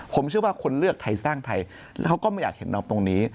ผมเชื่อว่าคนเลือกไทยสร้างไทยแล้วก็ไม่อยากเห็นตรงนี้